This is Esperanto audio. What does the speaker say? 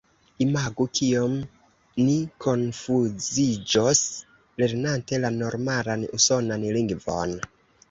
Imagu, kiom ni konfuziĝos, lernante la norman usonan lingvon!